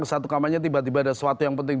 ke satu kamarnya tiba tiba ada sesuatu yang penting